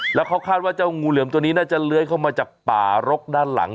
แล้วเขาคาดว่าเจ้างูเหลือมตัวนี้น่าจะเลื้อยเข้ามาจากป่ารกด้านหลัง